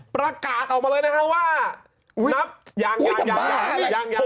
ประกาศผมเลยนะครับว่าอย่างอย่างอย่าง